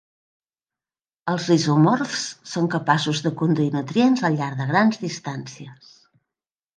Els rizomorfs són capaços de conduir nutrients al llarg de grans distàncies.